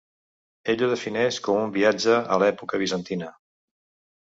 Ell ho defineix com ‘un viatge a l’època bizantina’.